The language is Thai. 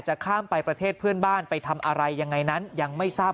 ข้ามไปประเทศเพื่อนบ้านไปทำอะไรยังไงนั้นยังไม่ทราบ